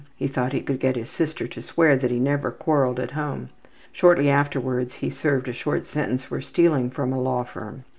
He thought he could get his sister to swear that he never quarreled at home. Shortly afterwards he served a short sentence for stealing from a law firm.